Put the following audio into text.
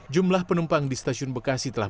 jumlah penumpang di stasiun bekasi telah